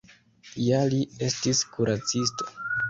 Ja li estis kuracisto.